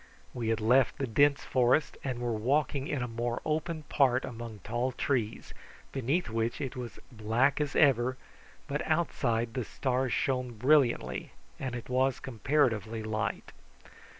We had left the dense forest, and were walking in a more open part among tall trees, beneath which it was black as ever, but outside the stars shone brilliantly, and it was comparatively light.